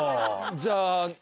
じゃあ。